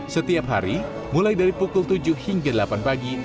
setiap hari mulai dari pukul tujuh hingga delapan pagi